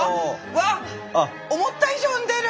わっ思った以上に出る。